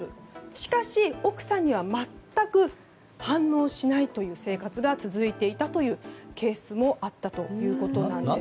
しかし、奥さんには全く反応しないという生活が続いていたというケースもあったということです。